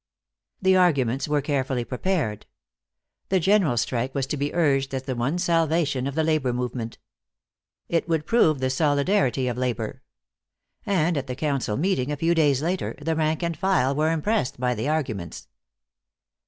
The arguments were carefully prepared. The general strike was to be urged as the one salvation of the labor movement. It would prove the solidarity of labor. And, at the Council meeting a few days later, the rank and file were impressed by the arguments.